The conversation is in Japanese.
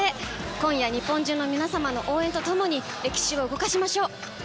今夜日本中の皆さんの応援とともに歴史を動かしましょう！